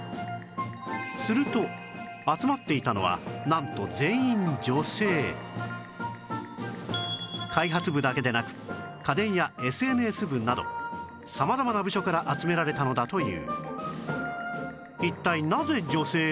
すると集まっていたのはなんと開発部だけでなく家電や ＳＮＳ 部など様々な部署から集められたのだという